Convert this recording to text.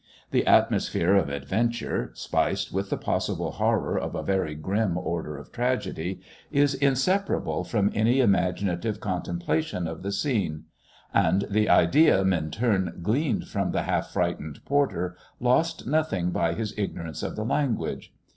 The atmosphere of adventure, spiced with the possible horror of a very grim order of tragedy, is inseparable from any imaginative contemplation of the scene; and the idea Minturn gleaned from the half frightened porter lost nothing by his ignorance of the language.